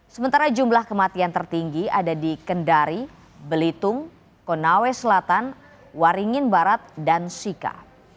sementara jumlah kematian tertinggi ada di kendari belitung konawe selatan waringin barat dan sika